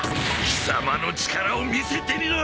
貴様の力を見せてみろ！